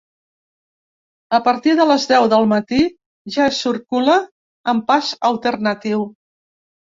A partir de les deu del matí ja es circula amb pas alternatiu.